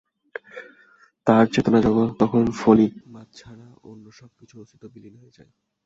তার চেতনাজগতে তখন ফলি মাছ ছাড়া অন্য সবকিছুর অস্তিত্ব বিলীন হয়ে যায়।